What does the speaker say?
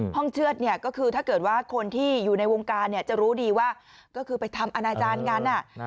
เชื่อดเนี่ยก็คือถ้าเกิดว่าคนที่อยู่ในวงการเนี่ยจะรู้ดีว่าก็คือไปทำอนาจารย์กัน